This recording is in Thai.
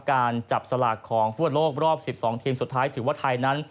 การจับสลากของฟุตบอลโลกรอบ๑๒ทีมสุดท้ายถือว่าไทยนั้น